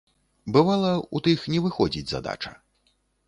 Бывала, у тых не выходзіць задача.